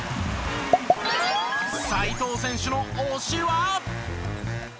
齋藤選手の推しは。